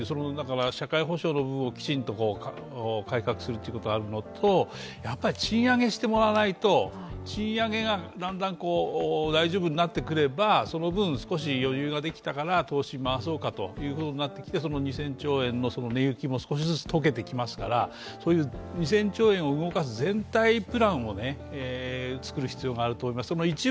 社会保障の部分をきちんと改革するということがあるのとやっぱり賃上げしてもらわないと賃上げがだんだん大丈夫になってくればその分、少し余裕ができたから投資に回そうかということになってきて２０００兆円の根雪も少しずつ解けてきますから、そういう２０００兆円を動かす全体プランを作る必要があると思います